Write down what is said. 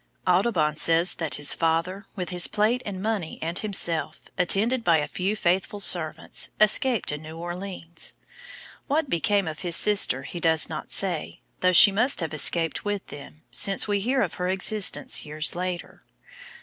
Audubon says that his father with his plate and money and himself, attended by a few faithful servants, escaped to New Orleans. What became of his sister he does not say, though she must have escaped with them, since we hear of her existence years later.